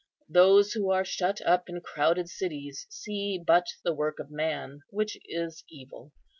Those who are shut up in crowded cities see but the work of man, which is evil.